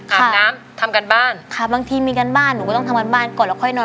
อาบน้ำทำการบ้านค่ะบางทีมีการบ้านหนูก็ต้องทำการบ้านก่อนแล้วค่อยนอน